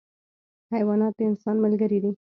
حیوانات د انسان ملګري دي.